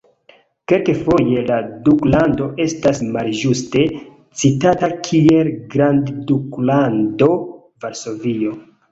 Kelkfoje la duklando estas malĝuste citata kiel "grandduklando Varsovio".